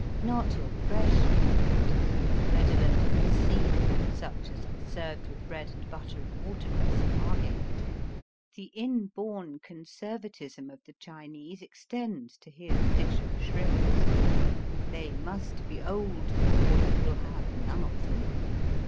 Not your fresh shrimps, redolent of the sea, such as are served with bread and butter and watercress at Margate. The inborn conservatism of the Chinese extends to his dish of shrimps. They must be old, or he will have none of them.